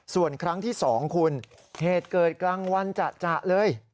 ส่วนครั้งที่๒คุณเหตุเกิดกลางวันจะเลย